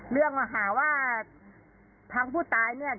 เรื่องมาหาว่าทางผู้ตายเนี่ย